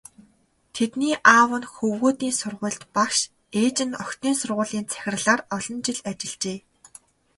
Тэдний аав нь хөвгүүдийн сургуульд багш, ээж нь охидын сургуулийн захирлаар олон жил ажиллажээ.